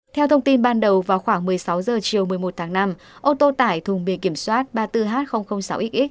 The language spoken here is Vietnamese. theo thông tin ban đầu vào khoảng một mươi sáu h chiều một mươi một tháng năm ô tô tải thùng bìa kiểm soát ba mươi bốn h sáu x